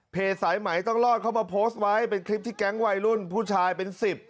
สายไหมต้องรอดเข้ามาโพสต์ไว้เป็นคลิปที่แก๊งวัยรุ่นผู้ชายเป็นสิบ